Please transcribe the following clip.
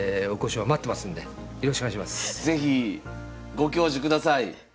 是非ご教授ください。